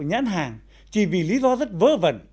nhán hàng chỉ vì lý do rất vớ vẩn